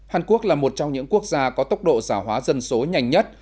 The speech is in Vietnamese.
hàn quốc là một trong những quốc gia có tốc độ giả hóa dân số nhanh nhất